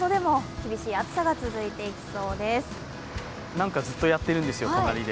なんかずっとやっているんですよ、隣で。